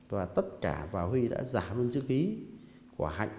và tất cả và huy đã giả luôn chữ ký của hạnh